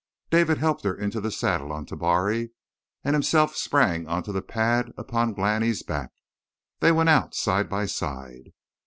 David helped her into the saddle on Tabari, and himself sprang onto the pad upon Glani's back. They went out side by side.